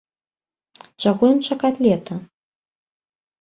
Чаго ім чакаць лета?